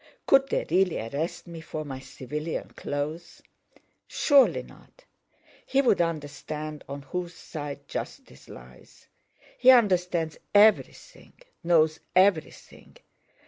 could they really arrest me for my civilian clothes? Surely not! He would understand on whose side justice lies. He understands everything, knows everything.